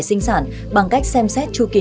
sinh sản bằng cách xem xét chu kỳ